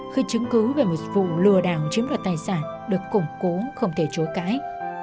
khi chứng cứ về một vụ lừa đảo chiếm đoạt tài sản được củng cố không thể chối cãi